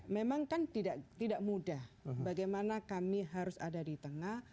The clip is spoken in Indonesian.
memang kan tidak mudah bagaimana kami harus ada di tengah